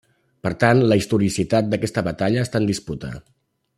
Per tant, la historicitat d'aquesta batalla està en disputa.